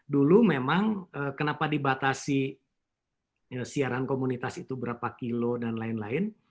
dulu memang kenapa dibatasi siaran komunitas itu berapa kilo dan lain lain